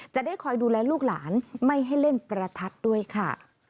จะได้คอยดูแลลูกหลานไม่ให้เล่นประทัดด้วยค่ะ